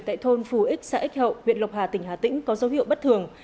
tại thôn phù ích xã x hậu huyện lộc hà tỉnh hà tĩnh có dấu hiệu bất thường